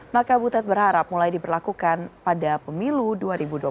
maka butet berharap mulai diberlakukan pada perhubungan